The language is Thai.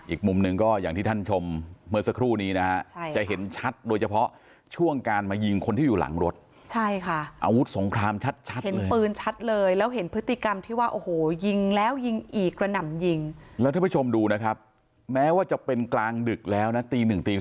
อีกมุมหนึ่งก็อย่างที่ท่านชมแม่งสักครู่นี้นะจะเห็นชัดโดยเฉพาะช่วงการมายิงคนที่อยู่หลังรถ